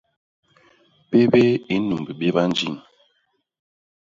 Pépéé i nnumb béba jiñ.